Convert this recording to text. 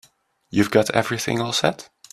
You've got everything all set?